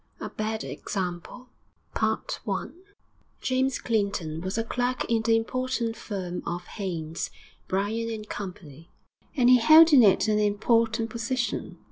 A BAD EXAMPLE I James Clinton was a clerk in the important firm of Haynes, Bryan & Co., and he held in it an important position.